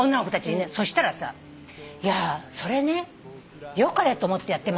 そしたらさ「いやそれね良かれと思ってやってますよ」